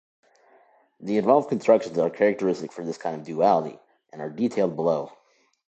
The involved constructions are characteristic for this kind of duality, and are detailed below.